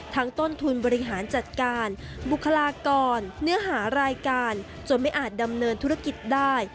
ต้นทุนบริหารจัดการบุคลากรเนื้อหารายการจนไม่อาจดำเนินธุรกิจได้